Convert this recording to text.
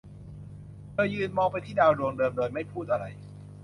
เธอยืนมองไปที่ดาวดวงเดิมโดยไม่พูดอะไร